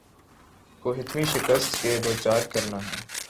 کو حتمی شکست سے دوچار کرنا ہے۔